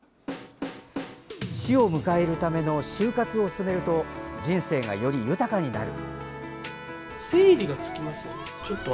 死を迎えるための終活を進めると、人生がより豊かになる。